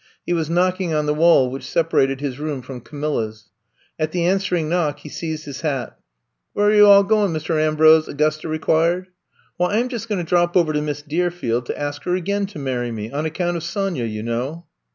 He was knock ing on the wall which separated his room from Camilla's. At the answering knock he seized his hat. *'Were you all goin', Mist' Ambrose!" 'Gusta inquired. 58 I'VE COME TO STAY Wh7, I *m just going to drop over to Miss Deerfield, to ask her again to marry me — on account of Sonya, you know."